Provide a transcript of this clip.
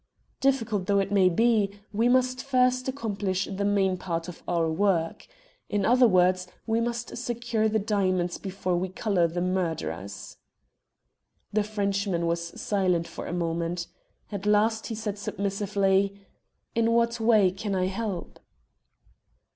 "Difficult though it may be, we must first accomplish the main part of our work. In other words, we must secure the diamonds before we collar the murderers." The Frenchman was silent for a moment. At last he said submissively "In what way can I help?"